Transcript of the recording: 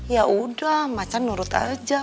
yaudah macan nurut aja